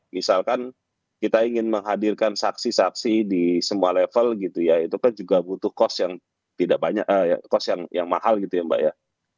misalkan kita ingin menghadirkan saksi saksi di semua level gitu ya itu kan juga butuh kos yang tidak banyak kos yang mahal gitu ya mbak ya